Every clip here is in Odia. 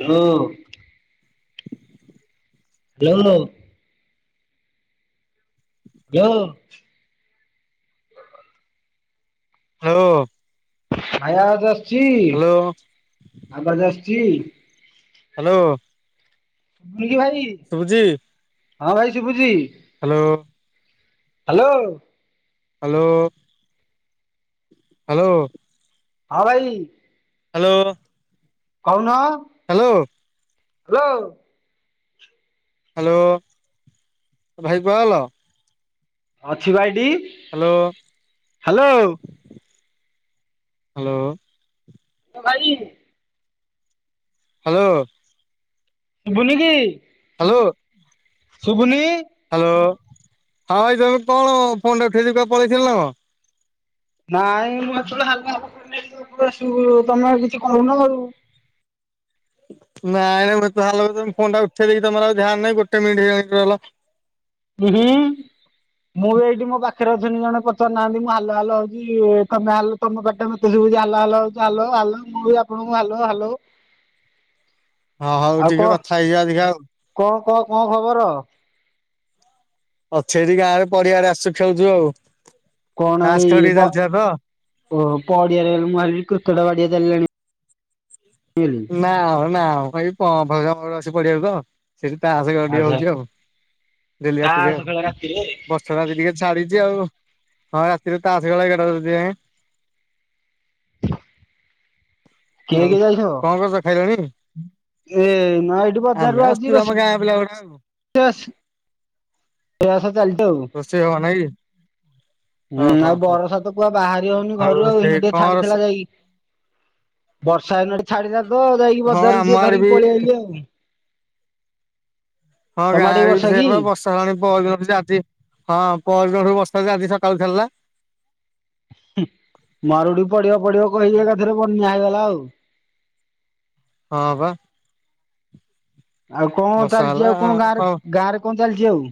ହାଲୋ। ହାଲୋ। ଦ୍ୟୋ। ହାଲୋ। ଆୟାବାଜ୍ ଅସ୍ଛି ହ୍ୟାଲୋ ଆବାଜ୍ ଆଶ୍ଚି? ହାଲୋ। ଶୁଭୁଚି ଭାଇ? ଶୁଭୁଚି ହଁ ଭାଇ ଶୁଭୁଛି ହାଲୋ। ହାଲୋ। ହାଲୋ। ହାଲୋ। ହଁ ଭାଇ। ହାଲୋ। କହୁନ। ହାଲୋ। ହାଲୋ। ହାଲୋ ଭାଇ କୁଆ ଗଲ? ଅଛି ବା ଏଇଟି। Hello hello. ଓ ଭାଇ ହାଲୋ। ବୁଲିକି ହାଲୋ। ଶୁଭୁନି ହାଲୋ ହଁ ଭାଇ ତମେ କଣ ଫୋନ୍ ଟା ଉଠେଇ ଦେଇ କି କୁଆଡେ ପଳେଇଥିଲ ନା କଣ? [unintelligible] [unintelligible] ହୁ ହୁଁ। ମୁଁ ବି ଏଇଠି ମୋ ପାଖରେ ଅଛନ୍ତି ଜଣେ ପଚାରୁ ନାହାନ୍ତି ମୁଁ ହାଲୋ ହାଲୋ ହୋଉଛି ତମେ ହାଲୋ ତମ ପାଟି ଟା ମତେ ଶୁଭୁଛି ହାଲୋ ହାଲୋ ହୋଉଛ ହାଲୋ ହାଲୋ ମୁଁ ବି ଆପଣଙ୍କୁ ହାଲୋ ହଲୋ ହଁ ହଉ କହ ଟିକେ କଥା ହେଇଯିବା ଅଧିକା ଆଉ। କଣ କଣ କଣ ଖବର? ଅଛି ଏଇଠି ଗାଁ ରେ ପଡିଆ ଆଡେ ଆସିଛୁ ଖେଳଛୁ ଆଉ। କଣ ତାସ ଖେଳ ଏଇ ଟିକେ ପ୍ ଚାଲିଥିଲା ତ ପ ପଡିଆରେ ମୁଁ ଭାବିଲି କ୍ରିକେଟ୍ ବାଡ଼ିଆ ଚାଲିଲାଣି। [unintelligible] [unintelligible] ଚିନ୍ତା ଆହୁରି ଅଧିକ ଆଚ୍ଛା ହୋଉଛି ଆଉ ଡେଲି ରାତିରେ ତାସ ଆଉ ଖେଳ ରାତିରେ ବାସ। [unintelligible] କିଏ ଆଉ କିଏ କଣ କରୁଛ ଖାଇଲଣି? ଇଏ ନା ଏଇଠୁ ଆମେ ବଜାରରୁ ଆଉଛି ଆସିଥିଲୁ ଆମ ରୋଷ ଗାଁ ପିଲା ଗୁଡା ଆଉ ଇ ବାସ ପ୍ରୟାସ ଚାଲିଛି ଆଉ। ରୋଷେଇ ହବା ନାଗି। ହୁଁ ଆଉ ବରସା ତ ପୁରା ବାହାରି ହୋଉନି ଘରୁ ଆଉ ରୋଷେଇ ଏଇନା ଟିକେ କଣ ରୋଷେଇ ଛାଡିଥିଲା ଯାଇକି। ବର୍ଷା ଏଇନା ଟିକେ ଛାଡ଼ିଥିଲା ତ ଯାଇକି ହଁ ବଜାରକୁ ଆମ ଟିକେ ଆଡେ ଧରିକି ବି ପଳେଇ ଆଇଲି ଆଉ। ହଁ ତମ ଆଡେ ଗାଁ କି ରେ ବି ତ ବର୍ଷା ସେଇଆ କି? ପା ବର୍ଷା ହେଲାଣି ପହର ଦିନଠୁ ଯେ ଆଜି ହ ପହର ଦିନଠୁ ବର୍ଷା ଯେ ଆଜି ସକାଳେ ଛାଡ଼ିଲା। ହୁ ମରୁଡି ପଡିବ ପଡିବ କହିକି ଏକାଥରେ ବନ୍ୟା ହେଇଗଲା ଆଉ। ହଁ ପା। ଆଉ କଣ ବର୍ଷା ଚାଲିଛି ହେଲା ଆଉ କଣ ଗାଁରେ ହଁ। ଗାଁ ରେ କଣ ଚାଲିଛି ଆଉ?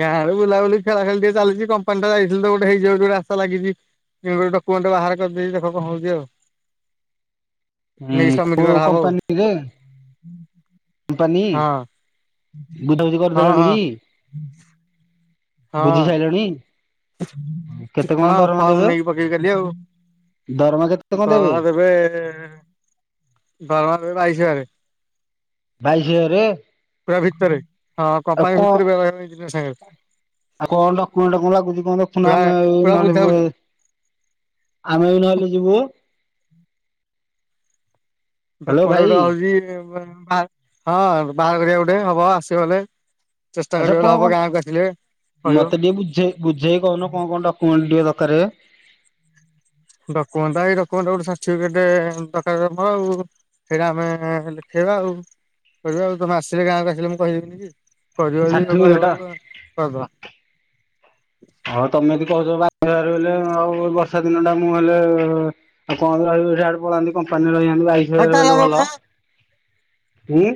ଗାଁ ରେ ବୁଲା ବୁଲି ଖେଳା ଖେଳି ଟିକେ ଚାଲିଛି କମ୍ପାନୀ ତ ଯାଇଥିଲୁ ତ ଗୋଟେ ହେଇ ଯୋଉ ଟୁ ରାସ୍ତା ଲାଗିଛି। ଏଇ ପାଳି ଡକ୍ୟୁମେଣ୍ଟ ବାହାର କରିଦେଇଛି ଦେଖେ କଣ ହଉଛି ଆଉ। ହୁଁ ନେଇ ସବମିଟ କୋଉ କରାହବ କମ୍ପାନୀରେ? କମ୍ପାନୀ ଆଉ ବୁଝା ବୁଝି ହଁ ହଁ କରିଦେଲଣି କି? ହଁ ବୁଝି ହଁ। ସାଇଲଣି। କେତେ କଣ ହଁ ଦରମା ଫର୍ମ ଦେବେ? ନେଇକି ପକେଇବି କାଲି ଆଉ। ଦରମା କେତେ କଣ ଦରମା ଦେବେ ଦରମା ଦେବେ ବାଇଶି ହଜାରେ। ବାଇଶି ହଜାରେ ପୁରା ଭିତରେ ହଁ ଆଉ କମ୍ପାନୀ କଣ ଭିତରେ ପୁରା ରହିବ ଇଞିନିଅର ସାଙ୍ଗରେ। ଆଉ କଁ ଡକ୍ୟୁମେଣ୍ଟ କଁ ଲାଗୁଛି କଁ ଦେଖୁନ ପୁରା ଆମେ ପୁରା ନହେଲେ ବେ ବୁଝାବୁଝି। ଆମେ ବି ନହେଲେ ଯିବୁ। ହ୍ୟାଲୋ ଡକ୍ୟୁମେଣ୍ଟ ଭାଇ ଗୋଟେ ହଉଛି ବା ବାହା ହଁ ବାହାଘରିଆ ଗୋଟେ ହବ ଆସିଗଲେ। ଚେଷ୍ଟା ଆଚ୍ଛା କରି କଣ ଦେଲେ କଣ ହବ ଗାଁକୁ ଆସିଲେ କହିବ। ମତେ ଟିକେ ବୁଝେ। ବୁଝେଇ କହୁନ କଁ କଁ ଡକ୍ୟୁମେଣ୍ଟ ଟିକେ ଦକାରେ। ଡକ୍ୟୁମେଣ୍ଟ ଏଇ ଡକ୍ୟୁମେଣ୍ଟ ଗୋଟେ ସାର୍ଟିଫିକେଟ୍ ଦକାର ହବ ଆଉ। ସେଇଟା ଆମେ ଦେଖେଇବା ଆଉ କହିବା ଆଉ ତମେ ଆସିଲେ ଗାଁକୁ ଆସିଲେ ମୁଁ କହିବିିନି କି। କରିବ ଯଦି ତ ସାର୍ଟିଫିକେଟ କହିବ କରିଦବା। ହଁ ତମେ ଯଦି କହୁଛ ବାଇଶି ହଜାର ବେଲେ ଆଉ ବର୍ଷା ଦିନ ଟା ମୁଁ ହେଲେ ଆଉ କଁ ରହିବି ଏଠେ ସିଆଡେ ପଳାନ୍ତି କମ୍ପାନୀରେ ରହିଯାଆନ୍ତି ବାଇଶି କଣ ହଜାରେ ବେଲେ ଭଲ ହୁଁ।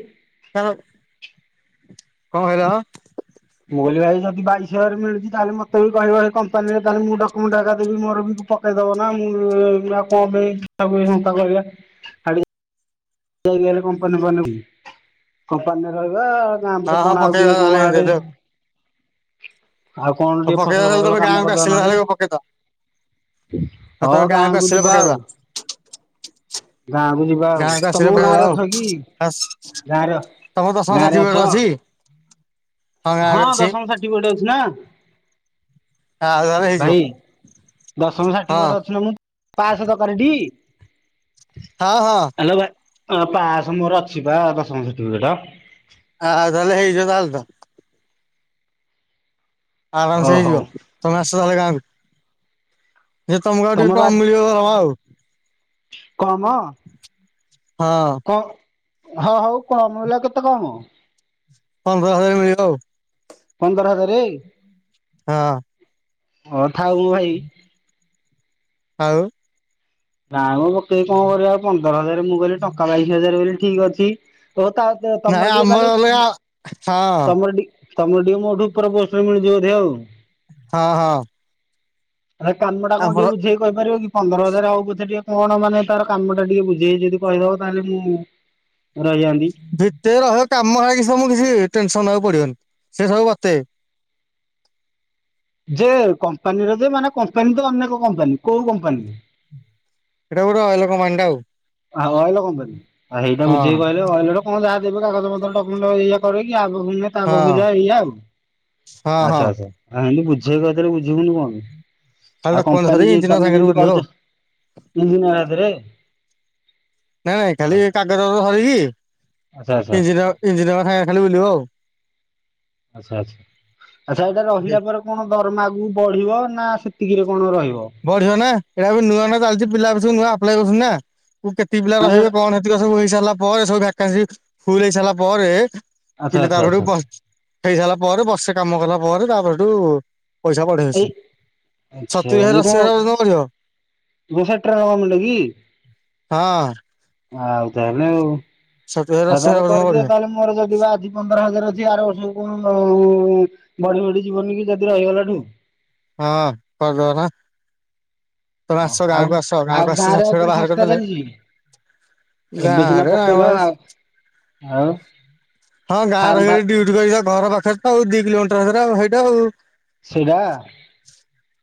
ତମେ କଁ କହିଲ? ମୁଁ କହିଲି ଭାଇ ଯଦି ବାଇଶି ହଜାରେ ମିଳୁଛି ତାହେଲେ ମତେ ବି କହିବ ହେ କମ୍ପାନୀରେ ତାହେଲେ ମୁଁ ଡକ୍ୟୁମେଣ୍ଟ ଏକା ଦେବି ମୋର ବି ପକ୍ ପକେଇ ଦବନା ମୁଁ ଏ ଆଉ କଁ ପାଇଁ [unintelligible] ସେଇଠି ହେଲେ କମ୍ପାନୀ ଫମ୍ପାନୀ ମୁଁ କମ୍ପାନୀରେ ରହିବା। ଗାଁ ପଟେ ହଁ କଣ ଆଉ ପକେଇବା କିଏ ନହେଲେ କଣ ଏମିତି ଆଡେ। ହେଲେ ଆଉ। ଆଉ କଣ ହଉ ଟିକେ ପକେଇବା ଫସଲ ତାହେଲେ ଫସଲ ତମେ କାମ ଗାଁକୁ କରିଦବା ଆସିଲେ ତାହେଲେ ପକେଇଦବା। ନହେଲେ। ହଁ ତମେ ହ ଗାଁକୁ ଗାଁ କୁ ଆସିଲେ ଯିବା ଆଉ ପକେଇଦବା ଗାଁକୁ ଯିବା ଆଉ। ତମେ କାଲି ପକେଇ ଦବା ଗାଁରେ ଆଉ ଅଛ କି ଆସ୍ ଗାଁରେ ତମର ଦଶମ ଗାଁରେ ଅଛ ସର୍ଟିଫିକେଟ ଅଛି। ହଁ ଗାଁରେ ଅଛି ଦଶମ ସର୍ଟିଫିକେଟ ଅଛି ନା। ଆଉ ତାହେଲେ ହେଇଯିବ ଭାଇ ଦଶମ ହଁ। ସର୍ଟିଫିକେଟ ଅଛି ନା ମୁଁ। ପାଶ ଦକାର ଟି। ହଁ ହଁ। ହାଲୋ ଭାଇ ପାସ ମୋର ଅଛି ବା ଦଶମ ସର୍ଟିଫିକେଟ। ଆଉ ତାହେଲେ ହେଇଯିବ ତାହେଲେ ତ। ଓ ଆରାମସେ ହଉ ହେଇଯିବ ତମେ ଆସ ତାହେଲେ ଗାଁ କୁ। ଯଦି ତମକୁ ଆଉ ଟିକେ ତମର କମ୍ ଆଜି ମିଳିବ ଦରମା ଆଉ। କମ। ହଁ। କ ହଁ ହଉ କମ ହେଲେ ଆଉ କେତେ କମ। ପନ୍ଦର ହଜାର ମିଳିବ ଆଉ। ପନ୍ଦର ହଜାରେ। ହଁ। ହଉ ଥାଉ ଭାଇ ମ ଭାଇ। ଆଉ। ନାଇ ମୁଁ ପକେଇକି କଁ କରିବା ପନ୍ଦର ହଜାର ମୁଁ କହିଲି ଟଙ୍କା ବାଇଶି ହଜାର ବୋଲି ଠିକ ଅଛି ତ ତା ତ ନାଇଁ ତମର ଟିକେ ଆମର ତାହେଲେ ଅଲଗା ମୋ ହଁ ତମର ଟି ତମର ଟିକେ ମୋଠୁ ଉପର ପୋଷ୍ଟରେ ମିଳିଥିବ ବୋଧେ ଆଉ। ହଁ ହଁ। ଭାଇ କାମଟା କଣ ଆମର ଟିକେ ବୁଝେଇକି କହିପାରିବ କି ପନ୍ଦର ହଜାର ହଉ ପ ଛେ ଟିକେ କଣ ମାନେ ତାର କାମ ଟା ଟିକେ ବୁଝେଇକି ଯଦି କହିଦବ ତାହେଲେ ମୁଁ ରହିଯାଆନ୍ତି। ଭିତରେ ରହିବ କାମ ହେଇକି ସବୁ କିଛି ଟେନସନ ନବାକୁ ପଡ଼ିବନି ସେ ସବୁ ବତେଇବେ। ଯେ କମ୍ପାନୀରେ ତ ମାନେ କମ୍ପାନୀ ତ ଅନେକ କମ୍ପାନୀ କୋଉ କମ୍ପାନୀରେ? ଏଟା ଗୋଟେ ଅଏଲ କମ୍ପାନୀ ଟା ଆଉ। ଆ ଅଏଲ କମ୍ପାନୀ ସେଇଟା ଆ ବୁଝେଇକି ହଁ କହିଲେ ଅଏଲ ର କଣ ଯାହା ଦେବେ କାଗଜ ପତର ଡକ୍ୟୁମେଣ୍ଟ ହେରିକା କରେଇକି ଆଗୁକୁ ନେ ହଁ। ହଁ ହଁ ଆଚ୍ଛା ଆଚ୍ଛା ଆ ଏମିତି ବୁଝେଇକି କହିଦେଲେ ବୁଝିବୁନି କଣ ପାଇଁ। ଖାଲି ଆଉ ଡକ୍ୟୁମେଣ୍ଟ ଧରି କମ୍ପାନୀ ଯେ ଇଞ୍ଜିନିୟର ତମେ ସାଙ୍ଗରେ ଯେମିତି ବୁଲିବ ଆଉ। କହୁଛ ଇଞ୍ଜିନିଅର୍ ହାତରେ। ନାଇଁ ନାଇଁ ଖାଲି ଏ କାଗଜ ପତର ଧରିକି ଆଚ୍ଛା ଆଚ୍ଛା ଇଞ୍ଜିନିୟର ଇଞ୍ଜିନିୟର ସାଙ୍ଗେ ଖାଲି ବୁଲିବ ଆଉ। ଆଚ୍ଛା ଆଚ୍ଛା। ଆଚ୍ଛା ଏଇଟା ରହିଲା ପରେ କଣ ଦରମା ଆଗକୁ ବଢ଼ିବ ନା ସେତିକିରେ କଣ ରହିବ? ବଢ଼ିବ ନା ଏଟା ବି ନୂଆ ନ ଚାଲିଛି ପିଲା ଏବେ ସବୁ ନୂଆ ଆପ୍ଲାଏ କରୁଛନ୍ତି ନା କୁ କେତିକି ପିଲା ମାନେ ରହିବେ କଣ ହେବ୍ [unintelligible] ସବୁ ହେଇ ସାରିଲା ପରେ ସବୁ ଭେକ୍ୟାନ୍ସୀ ଫୁଲ ହେଇ ସାରିଲା ପରେ ଆଚ୍ଛା ପିଲା ଆଚ୍ଛା ତାପର ଆଚ୍ଛା କୁ [unintelligible] ହେଇ ସାରିଲା ପରେ ବର୍ଷେ କାମ କଲା ପରେ ତାପରଠୁ ପଇସା ବଢ଼େଇବେ ଏଇ ସେ। ଆଚ୍ଛା ଇଏ ବଢିବ କଣ ସେଣ୍ଟ୍ରାଲ ଗର୍ମେଣ୍ଟ କି? ହଁ। ଆଉ ତାହେଲେ ଆଉ। ସତୁରି ହଜାର ଆଉ ଅଶୀ ତାହେଲେ ହଜାର ପର୍ଯ୍ୟନ୍ତ କରିଦିଅ ବଢିବ। ତାହେଲେ ମୋର ଯଦି ବା ଆଜି ପନ୍ଦର ହଜାର ଅଛି ଆର ବର୍ଷକୁ କଣ ନହୋଉ। ବଢ଼ି ବଢ଼ି ଯିବନି କି ଯଦି ରହିଗଲାଠୁ। ହଁ କରିଦବା ନା। ତମେ ଆସ ଆଉ ଗାଁକୁ ଆସ ଆଉ ଗାଁକୁ ଆସ ଗାଁରେ ଆଉ ସର୍ଟିଫିକେଟ କଣ ବାହାର ଶସ୍ତା କରିଦେଲେ ଚାଲିଛି ଏବେ ଗାଁ ସିନା ରେ ପକେଇଲ ଆଉ [unintelligible] ଆଉ? ହଁ ଗାଁରେ ଫାର୍ମ ରହିବ ଫା ବି ଡ୍ୟୁଟି କରିବ ଘର ପାଖରେ ତ ଆଉ ଦି କିଲୋମିଟର [unintelligible] ହେଇଟା ଆଉ। ସେଇଟା।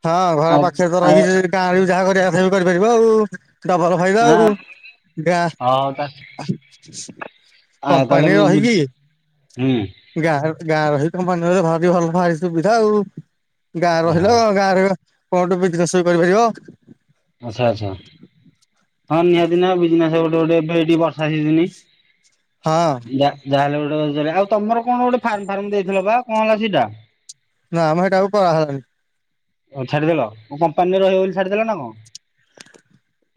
ହଁ ଘର ଆଉ ପାଖେରେ ତ ଆଉ ରହିକି [unintelligible] ଗାଁରେ ବି ଯାହା କରିବା କଥା ବି କରିପାରିବ ଆଉ। ଡବଲ ଫାଇଦା ଆଉ ଆଁ ଗାଁ ହଉ ତା ଆଉ ତାହେଲେ କମ୍ପାନୀରେ ବୁଝ ରହିକି ହୁଁ ଗାଁ ର ଗାଁ ରହିକି କମ୍ପାନୀରେ ରହିବ ଭାରି ଭଲ ଭାରି ସୁବିଧା ଆଉ ଗାଁ ରହିଲ ହଉ ଗାଁରେ କଣ ଗୋଟେ ବିଯିନେସ ବି କରିପାରିବ। ଆଚ୍ଛା ଆଚ୍ଛା ହଁ ନିହାତି ନା ବିଜିନେସ ଗୋଟେ ଗୋଟେ ଏବେ ହେଇଟି ବର୍ଷା ସିଜିନି। ହଁ। ଯା ଯାହାହେଲେ ଗୋଟେ ଆଉ ତମର କଣ ଗୋଟେ ଫାର୍ମ ଫାର୍ମ ଦେଇଥିଲ ବା କଣ ସେଇଟା? ନା ମ ହେଟା କରା ହୋଉନି। ଉଁ ଛାଡ଼ିଦେଲ କଣ କମ୍ପାନୀରେ ରହିବ ବୋଲି ଛାଡ଼ିଦେଲ ନା କଣ?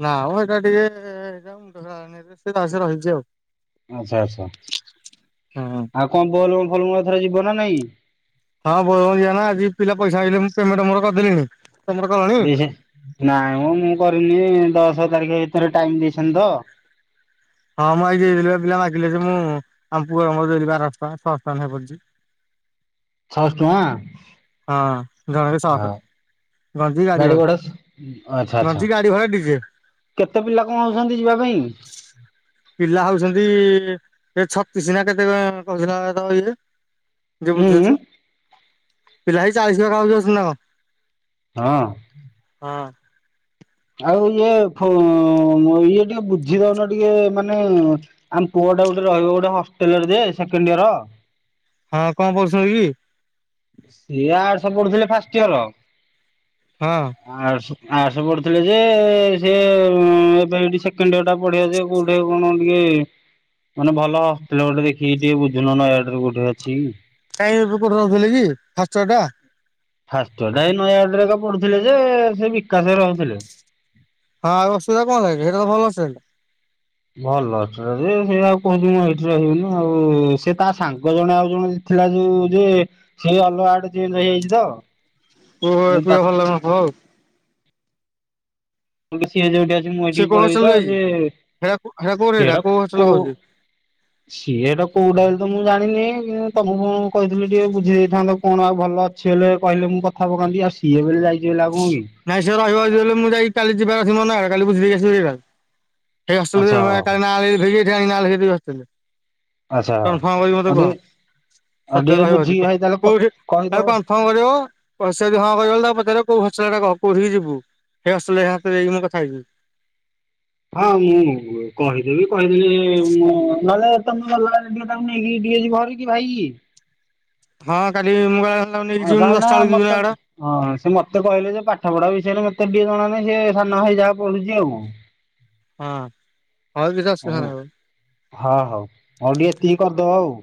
ନା ମ ହେଟା ଟିକେ ହେଟା ଆଉ ମୁଣ୍ଡ ଖେଳା ହୋଉନି [inaudible] ସେରା ସେ ରହିଛି ଆଉ। ଆଚ୍ଛା ଆଚ୍ଛା ହଁ ଆଉ କଣ ବୋଲ ବମ ଫୋଲ ବମ ଏଥର ଯିବ ନା ନାଇଁ? ହଁ ବୋଲ ବମ ଯିବା ନା ଆଜି ପିଲା ପଇସା ଆଇଁଲେ ମୁଁ ପେମେଣ୍ଟ ମୋର କରିଦେଲିଣି। ତମର କଲଣି? [unintelligible] ନାଇଁ ମ ମୁଁ କରିନି ଦଶ ତାରିଖ ଭିତରେ ଟାଇମ ଦେଇଛନ୍ତି ତ। ହଁ ମୁଁ ଆଜି ଦେଇ ଦେଲି ବା ପିଲା ମାଗିଲେ ଯେ ମୁଁ ଆମ ପୁଅର ମୋର ଦେଲି ବାରସ ଟଙ୍କା ଛଅସ ଟଙ୍କା ନାଖେ ପଡ଼ିଚି। ଛଅଶ ଟଙ୍କା? ହଁ ଜଣେ ବି ହଁ ସର୍ଟ। ଗଞ୍ଜି ଗାଡି ଆଚ୍ଛା ଭଡା ଆଚ୍ଛା ରଞ୍ଜି ଗାଡି ଭଡା ଡିଜେ। କେତେ ପିଲା କଣ ହଉଚନ୍ତି ଯିବା ପାଇଁ। ପିଲା ହଉଛନ୍ତି ଏ ଛତିଶ ନା କେତେ କଣ [unintelligible] ଯେ ଉଁ ଉଁ ବୁଝୁଚି। ପିଲା ହେଇ ଚାଳିଶ [unintelligible] କଣ? ହଁ। ହଁ। ଆଉ ଇଏ ଫୁ ଇଏ ଟିକେ ବୁଝି ଦଉନ ଟିକେ ମାନେ ଆମ ପୁଅ ଟା ଗୋଟେ ରହିବ ଗୋଟେ ହଷ୍ଟେଲରେ ଯେ ସେକେଣ୍ଡ ଇୟର। ହଁ କଣ କୋଉଥିଲକି? ସିଏ ଆଡସ୍ ପଢୁଥିଲେ ଫାଷ୍ଟ ଇୟର। ହଁ। ଆଡସ ଆଡର୍ସ ପଢୁଥିଲେ ଯେ ସେ ଏବେ ଏଇଠି ସେକେଣ୍ଡିଅର ଟା ପଢିଆ ଯେ କୋଉଠି କଣ ଟିକେ ମାନେ ଭଲ ହଷ୍ଟେଲ ଗୋଟେ ଦେଖିକି ଟିକେ ବୁଝୁନ ନା ଏଆଡରେ ଗୋଟେ ଅଛି କି? କାଇଁ ମୁଁ କୋଉଠି ରହୁଥିଲି କି ଫାଷ୍ଟ ଇଅରଟା। ଫାଷ୍ଟ ଇୟରଟା ଏଇ ନୟାଗଡରେ ତ ପଢୁଥିଲେ ଯେ ସେ ବିକାଶରେ ରହୁଥିଲେ। ହଁ ଆଉ ଅସୁବିଧା କଣ ହେଲାକି ହେଟା ତ ଭଲ ହଷ୍ଟେଲଟା। ଭଲ ହଷ୍ଟେଲ ଯେ ସେ ଆଉ କହୁଛି ମୁଁ ଏଇଠି ରହିବିନନି ଆଉ ସେ ତା ସାଙ୍ଗ ଜଣେ ଆଉ ଜଣେ ଥିଲା ଯୋଉ ଯେ ସେ ଅଲଗା ଆଡେ ଚେଞ୍ଜେ ହେଇଯାଇଛି ତ ପୁଅ [unintelligible] ଭଲ ତାକୁ ଲାଗୁ ନଥିବ ଆଉ। ହେଟୁ ସିଏ ଯୋଉଠି ଅଛି ମୁଁ ସେ ଏଇଠିକି କୋଉ ପଳେଇବି ତ ହଷ୍ଟେଲ ଯାଇଛି ଯେ ହେରା ହେରା କୋଉଠି ଏଇଟା କୋଉ ହଷ୍ଟେଲ କହୁଛନ୍ତି। ସିଏ ହେଟା କୋଉଟା ବୋଲି ତ ମୁଁ ଜାଣିନି କିନ୍ତୁ ତମକୁ ମୁଁ କଇଦୋଉଚି ଟିକେ ବୁଝେଇ ଦେଇଥାନ୍ତ କଣ ଆଉ ଭଲ କିଛି ହେଲେ କହିଲେ ମୁଁ କଥା ପକାନ୍ତି ଆଉ ସିଏ ବଲେ ଯାଇଛି ବୋଲେ ଆଉ କଣ କି? ନାଇଁ ସିଏ ରହିବ ଯଦି ହେଲେ ମୁଁ ଯାଇ କାଲି ଯିବା କଥା [unintelligible] କାଲି ବୁଝି ଦେଇ ଆସିଲେ ଯିବା। ସେଇ ଆଚ୍ଛା ହଷ୍ଟେଲରେ ହଉ କାଲି ନାଁ ଲିଭେଇକି ଏଠି ନାଁ ଲେଖେଇ ଦେବି ହଷ୍ଟେଲରେ। ଆଚ୍ଛା ହଉ। କନଫର୍ମ କରିକି ମତେ ଆଉ କୁହ। ଟିକେ ଆଉ ସତ୳ ଟିକେ ରହିବ ବୁଝିକି ଅଧିକ ଭାଇ ତାହେଲେ କ କୋଉଠି ଆଉ କହିଦବ। କନଫର୍ମ କରିହବ। ଓ ସିଏ ଯଦି ହଁ କରିବଲେ ତା ପଚାରିବ କୋଉ ହଷ୍ଟେଲଟା କୋଉଠିକି ଯିବୁ। ହେଇ ହଷ୍ଟେଲ [unintelligible] ମୁ କଥା ହେଇଯିବି। ହଁ ମୁଁ କହିଦେବି କହିଦେଲେ ମୁଁ ନହେଲେ ତମେ ଗଲାଆଳେ ଟିକେ ତାକୁ ନେଇକି ଟିକିଏ ଯିବ ଭାରିକି ଭାଇକି। ହଁ କାଲି ମୁଁ ଗଲାବେଳେ ହଁ ନେଇକି ଯିମି କାହିଁକି ମୁଁ ନା ଦଶାଟା ବେଳକୁ ଯିବି ମତେ ଆଡ। ହଁ ସେ ମତେ କହିଲେ ଯେ ପାଠ ପଢା ବିଷୟରେ ମତେ ଟିକିଏ ଜଣା ନାହିଁ ସେ ସାନ ଭାଇ ଯାହା ପଢୁଚି ଆଉ କଁ? ହଁ ହଲ କିଛି ଅସୁବିଧା ହଉ ନାହିଁ ଆଉ। ହଁ ହଉ ମୋର ଟିକେ ଏତିକି କରିଦବ ଆଉ।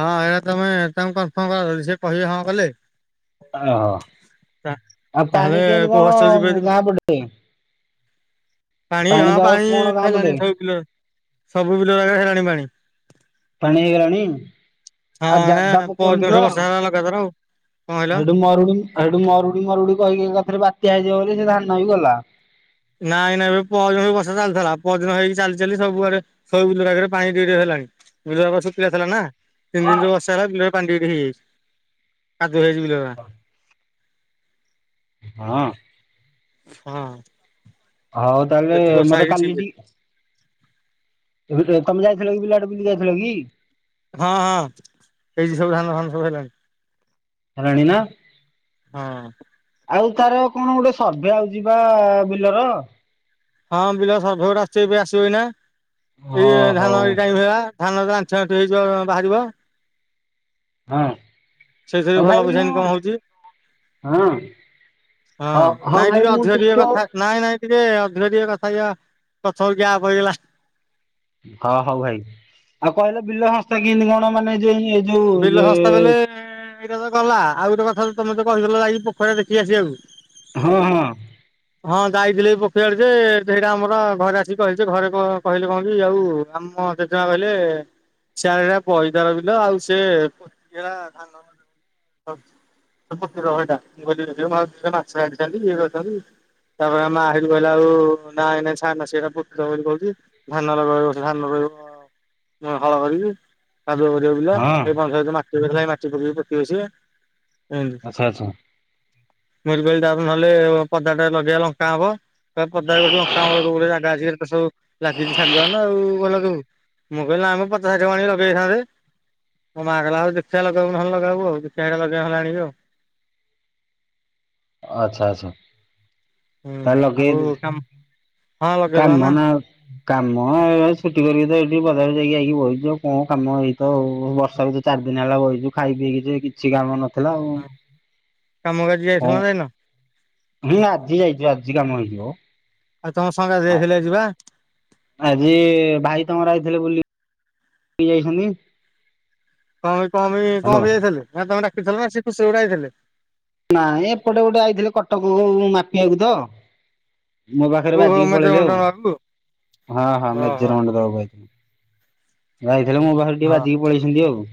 ହଁ ଏଇରା ତମେ ତାଙ୍କୁ କନଫର୍ମ କରନି ସେ କହିବେ ହଁ କଲେ ଓହୋ ଆଉ ତାହେଲେ ପାଣି କେମିତି କୋଉ ହଷ୍ଟେଲ ଯିବେ କଣ ଯଦି ଗାଁ ପଟେ? ପାଣି ହଁ ପାଗ ପାଣି କଣ ଗାଁ ହେଲାଣି ପଟେ? ସବୁ ବିଲର ସବୁ ବିଲରାରେ ହେଲାଣି ପାଣି। ପାଣି ହେଇଗଲାଣି। ହଁ ଆଉ ନା ଯାଦା ପକଉନି ପରଦିନଠୁ ତ ବର୍ଷା ହେଲା ଲଗାତାର ଆଉ କଣ କହିଲ ଏଉଠୁ ମରୁଡି ଆଉ ହେଠୁ ମରୁଡି ମରୁଡି କହିକି ଏକାଥରେ ବାତ୍ୟା ହେଇଯିବ ବୋଲି ସେ ଧାନ ବି ଗଲା। ନାଇଁ ନାଇଁ ଭାଇ ପହରଦିନ ବି ବର୍ଷା ଚାଲଥିଲା ପହରଦିନ ହେଇକି ଚାଲି ଚାଲି ସବୁଆଡେ ସବୁ ବିଲରାକରେ ପାଣି ଟିକେ ଟିକେ ହେଲାଣି ବିଲରାକ ଶୁଖିଲା ଥିଲା ନା। ତିନି ଦିନ ଯୋଉ ବର୍ଷା ହେଲା ବିଲରେ ପାଣି ଟିକେ ଟିକେ ହେଇଯାଇଛି, କାଦୁଅ ହେଇଯାଇଛି ବିଲରା। [inaudible] ହଁ ହଁ। ହଉ ତାହେଲେ ଯେତିକି ବର୍ଷା ମତେ ହେଇଛି କାଲି ଠିକ୍ ଟି ଅଛି ଏବେ ତ ତମେ ଯାଇଥିଲ କି ବିଲଆଡ଼େ ବୁଲି ଯାଇଥିଲ କି? ହଁ ହଁ ହେଇଚି ସବୁ ଧାନ ଫାନ ସବୁ ହେଲାଣି। ହେଲାଣି ନା? ହଁ। ଆଉ ତାର କଣ ଗୋଟେ ସର୍ଭେ ଆଉଚି ପା ବିଲର? ହଁ ବିଲ ସର୍ଭେ ଗୋଟେ ଆସୁଚି ଏବେ ଆସିବ ଏଇନା ହଁ ଏଇ ଧାନ ହଉ ଏଇ ଟାଇମ୍ ହେଲା। ଧାନ ରେ ଆଣ୍ଠୁଏ ଆଣ୍ଠୁଏ ହେଇଯିବ ବ ବାହାରିବ। ହଁ ସେଇଥିରେ ଭଲ ପଇସା ତଧାବିମୁ ଇନକମ୍ ହଉଛି ହଁ। ହଁ ହ ହଁ ନାଇଁ ଟିକେ ଭାଇ ମୁ ଅଧିକ ଟିକେ କଥା ନାଇଁ ନାଇଁ ଟିକେ ଅଧିକ ଟିକେ କଥା ହେଇଯିବା ପଛକୁ ଗ୍ୟାପ୍ ହେଇଗଲା ହଁ ହଉ ଭାଇ। ବିଲ ଶସ୍ତା ବେଲେ ଏଇଟା ତ ଗଲା ଆଉ ଗୋଟେ କଥାରୁ ତମେ ତ କହିଦେଲ ଯାଇକି ପୋଖରୀରେ ଦେଖିକି ଆସିବାକୁ। ହଁ ହଁ। [unintelligible] ହଁ ଯାଇଥିଲି ଏ ପୋଖରୀ ଆଡ଼େ ଯେ ସେଇଟା ଆମର ଘରେ ଆସିକି କହିଲି ଯେ ଘରେ କଁ କହିଲେ କଣ କି ଆଉ ଆମ ଯେ ଚ କହିଲେ ସିଆରେ ପଇତାର ବିଲ ଆଉ ସେ [unintelligible] ଧାନ ଫ ଫକୀର ହେଟା ମୁଁ କହିଲି ଦିଅ ଏଟା ମାଛ ଛାଡିଥାନ୍ତି ଇଏ କରଚନ୍ତି ତାପରେ ମା ଅରେଜ୍ କହିଲା ବେଳୁ ନା ଏଇନା ସାନ ନା ସେରା ପୋଖୋ ବୋଲି କହୁଚି ଧାନ ର ରହିବ ଧାନ ରହିବ ମୁଁ ହଳ କରିବି। କାଦୁଅ କରିବ ବିଲ ହଁ ହେ ପଂଚାୟତ ମାଟି [unintelligible] ମାଟି ପକେଇି ପୋତିଏ ସିଏ। ଆଚ୍ଛା ଏମିତି [inaudible] ନହେଲେ ପଦା ଟା ଲଗେଇଆ ଲଙ୍କା ହବ। ସେ ପଦାରେ ଗୋଟେ ଲଙ୍କା। [unintelligible] ସବୁ ଲାଗିଛି ଶାଗୁଆନ ଆଉ କଁ ଲେଗେଇବୁ? ମୁଁ କହିଲି ନା ଆମ ପଚାଶ ଷାଠିଏ କୁ ଆଣି ଲଗେଇଥାନ୍ତେ। ମୋ ମା କହିଲା ହଉ ଦେଖିଆ ଲଗେଇବୁ ନହନେ ଲଗେଇବୁ ଆଉ ଦେଖିବା ଲଗେଇବା ହେଲେ ଆଣିବୁ ଆଉ। ଆଛା ଆଛା ହୁଁ ତାହେଲେ ଆଉ ଲଗେଇଦେ। କାମ ହଁ ଲଗେଇଦବା କାମ ନା ଆଉ କାମ ଏ ଛୁଟି କରିକି ତ ଏଠି ବଜାରକୁ ଯାଇକି ଆଇକି ବଇଚୁ ଆଉ କଁ କାମ ଏଇତ ଆଉ ବର୍ଷାକୁ ଯି ଚାରି ଦିନ ହେଲା ବଇଚୁ ଖାଇ ପିଇକି କିଛି କାମ ନ ଥିଲା ଆଉ କାମକୁ ଆଜି ଯାଇଥିଲ କଁ ନା ଯାଇନ? ମୁଁ ଆଜି ଯାଇଚି ଆଜି କାମ ହେଇଥିବ। ଆଉ ତମ ସାଙ୍ଗାତେ ହେ ହେଲେ ଯିବା। ଆଜି ଭାଇ ତମର ଆଇଥିଲେ ବୁଲି କି ଯାଇଛନ୍ତି। କଁ ପାଇଁ କଁ ପାଇଁ କଁ ହ୍ୟାଲୋ ପାଇଁ ଯାଇଥିଲେ? ନା ତମେ ଡାକିଥିଲ ନା ସେ ଖୁସି ଗୋଟେ ଆଇଥିଲେ? ନାଇଁ ଏପଟେ ଗୋଟେ ଆଇଥିଲେ କଟକକୁ ମାପିବାକୁ ତ ମୋ ପାଖରେ ଓହୋ ବାଜିକି ପଳେଇଲେ ମେଜରମେଣ୍ଟ ଆଉ, ନବାକୁ ହଁ ହଁ ଓହୋ ମେଜରମେଣ୍ଟ ଦବାକୁ ଆଇଥିଲେ। ଯାଇଥିଲେ ମୋ ପାଖରେ ଟିକେ ହଁ। ବାଜିକି ପଳେଇଛନ୍ତି ଆଉ।